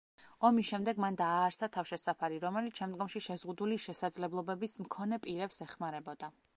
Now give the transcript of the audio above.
ომის შემდეგ მან დააარსა თავშესაფარი, რომელიც შემდგომში შეზღუდული შესაძლებლობების მქონე პირებს ეხმარებოდა.